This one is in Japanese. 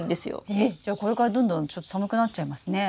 えっじゃあこれからどんどんちょっと寒くなっちゃいますね。